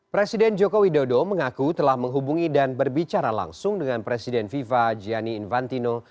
presiden jokowi dodo mengaku telah menghubungi dan berbicara langsung dengan presiden viva gianni infantino